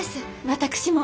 私も。